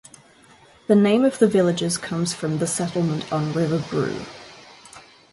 The name of the villages comes from "the settlement on the River Brue".